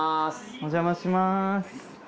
お邪魔します。